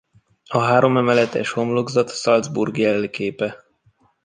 A háromemeletes homlokzat Salzburg jelképe.